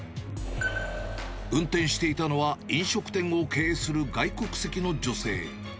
運転していたのは、飲食店を経営する外国籍の女性。